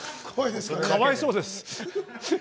かわいそうです。